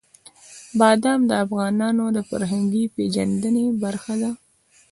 بادام د افغانانو د فرهنګي پیژندنې برخه ده.